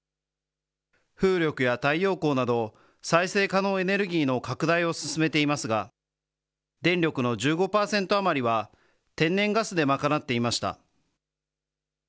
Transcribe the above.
風力や太陽光など、再生可能エネルギーの拡大を進めていますが、電力の１５％余りは天然ガスで賄っていました。